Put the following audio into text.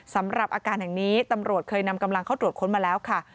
สำหรับอาการแห่งนี้ตำรวจเคยนำกำลังเข้าตรวจค้นมาแล้วค่ะ